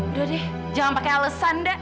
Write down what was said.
udah deh jangan pakai alesan dah